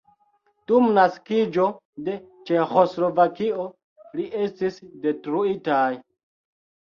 Dum naskiĝo de Ĉeĥoslovakio ili estis detruitaj.